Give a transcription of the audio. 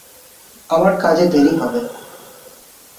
আমার কাজে দেরি হবে।